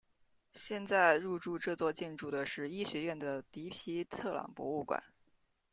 现在入驻这座建筑的是医学院的迪皮特朗博物馆。